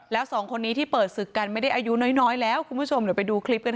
แล้วสองคนนี้ที่เปิดศึกกันไม่ได้อายุน้อยแล้วคุณผู้ชมเดี๋ยวไปดูคลิปกันค่ะ